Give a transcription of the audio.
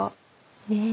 ねえ。